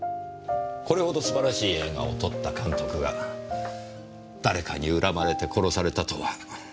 これほど素晴らしい映画を撮った監督が誰かに恨まれて殺されたとは。